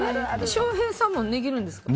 翔平さんも値切るんですか？